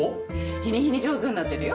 日に日に上手になってるよ。